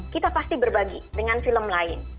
kita pasti berbagi dengan film lain